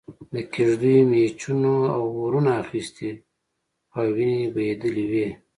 د کېږدیو مېچنو اورونه اخستي او وينې بهېدلې وې.